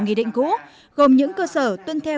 nghị định cũ gồm những cơ sở tuân theo